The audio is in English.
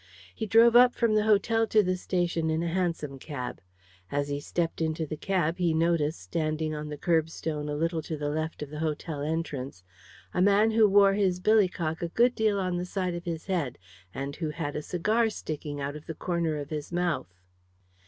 He drove up from the hotel to the station in a hansom cab. As he stepped into the cab he noticed, standing on the kerbstone a little to the left of the hotel entrance, a man who wore his billycock a good deal on the side of his head, and who had a cigar sticking out of the corner of his mouth.